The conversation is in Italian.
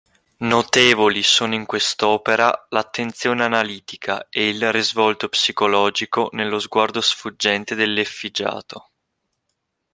Notevoli sono in quest'opera l'attenzione analitica e il risvolto psicologico nello sguardo sfuggente dell'effigiato.